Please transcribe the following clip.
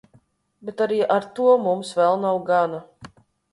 Bet arī ar to mums vēl nav gana.